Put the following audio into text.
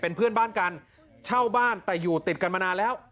เป็นเพื่อนบ้านกันเช่าบ้านแต่อยู่ติดกันมานานแล้ว